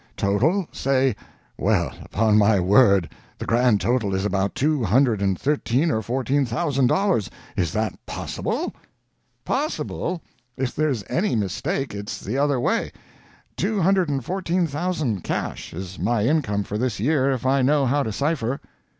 Total, say well, upon my word, the grand total is about two hundred and thirteen or fourteen thousand dollars! Is that possible?" "Possible! If there's any mistake it's the other way. Two hundred and fourteen thousand, cash, is my income for this year if I know how to cipher."